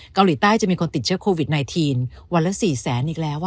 เกาหลีใต้จะมีคนติดเชื้อโควิดไนทีนวันละสี่แสนอีกแล้วอ่ะ